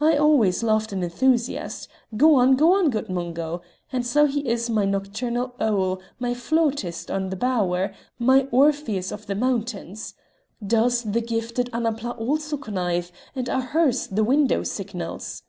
"I always loved an enthusiast; go on go on, good Mungo. And so he is my nocturnal owl, my flautist of the bower, my Orpheus of the mountains. Does the gifted Annapla also connive, and are hers the window signals?"